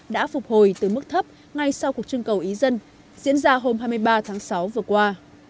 đã phục hồi từ mức thấp ngay sau cuộc trưng cầu ý dân diễn ra hôm hai mươi ba tháng sáu vừa qua